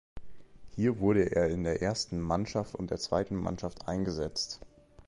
Hier wurde er in der ersten Mannschaft und der zweiten Mannschaft eingesetzt.